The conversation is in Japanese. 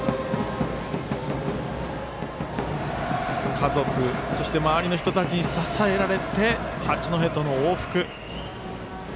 家族、そして周りの人たちに支えられて八戸との往復。